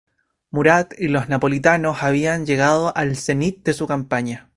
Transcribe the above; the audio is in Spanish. Murat y los napolitanos habían llegado al cenit de su campaña.